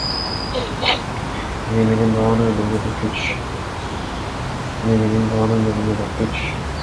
Эне менен баланын өлүмү да күч.